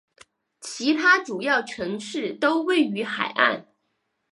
其他主要城市都位于海岸。